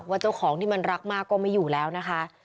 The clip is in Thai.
ว่าเจ้าของที่มันรักมากก็ไม่อยู่แล้วนะคะ